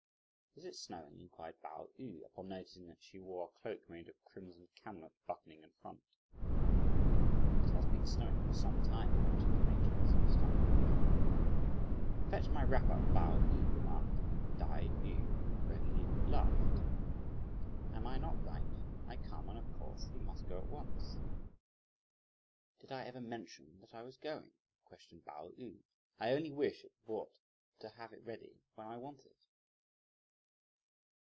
"Is it snowing?" inquired Pao yü, upon noticing that she wore a cloak made of crimson camlet, buttoning in front. "It has been snowing for some time," ventured the matrons, who were standing below. "Fetch my wrapper!" Pao yü remarked, and Tai yü readily laughed. "Am I not right? I come, and, of course, he must go at once." "Did I ever mention that I was going?" questioned Pao yü; "I only wish it brought to have it ready when I want it."